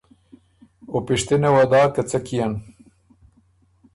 او پِشتِنه وه داک که څۀ کيېن؟